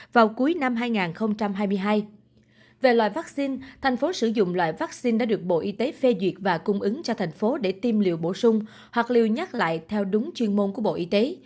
về loại vắc xin thành phố sử dụng loại vắc xin đã được bộ y tế phê duyệt và cung ứng cho thành phố để tiêm liều bổ sung hoặc liều nhắc lại theo đúng chuyên môn của bộ y tế